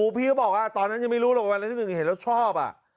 พี่ก็บอกว่าตอนนั้นยังไม่รู้ละวันที่๑เห็นแล้วชอบ